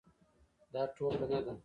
دا ټوکه نه ده.